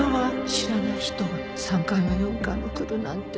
知らない人が３回も４回も来るなんて。